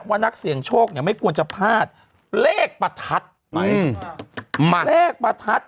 ว่านักเสี่ยงโชคเนี่ยไม่ควรจะพลาดเลขประทัดไปเลขประทัด